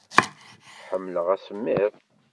Ḥemmleɣ asemmiḍ.